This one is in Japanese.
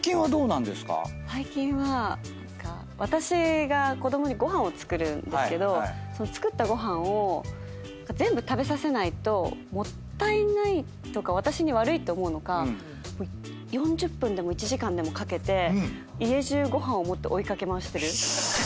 最近は何か私が子供にご飯を作るんですけどその作ったご飯を全部食べさせないともったいないとか私に悪いって思うのか４０分でも１時間でもかけて家じゅうご飯を持って追い掛け回してる。